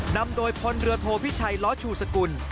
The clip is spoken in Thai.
นำโดยพลเรือโทพิชัยล้อชูสกุล